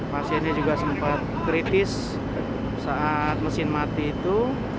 masih ini juga sempat kritis saat mesin mati itu